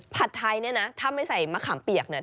ผัดไทยเนี่ยนะถ้าไม่ใส่มะขามเปียกเนี่ย